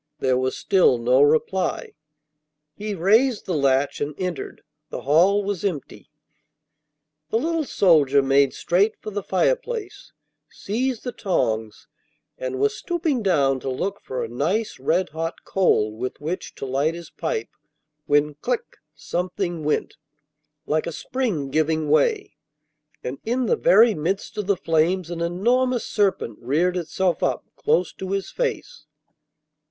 There was still no reply. He raised the latch and entered; the hall was empty. The little soldier made straight for the fireplace, seized the tongs, and was stooping down to look for a nice red hot coal with which to light his pipe, when clic! something went, like a spring giving way, and in the very midst of the flames an enormous serpent reared itself up close to his face.